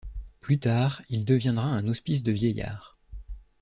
Plus tard, il deviendra un hospice de vieillards.